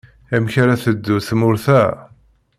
Amek ara teddu tmurt-a.